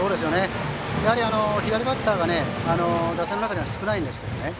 やはり左バッターが打線の中には少ないんですけど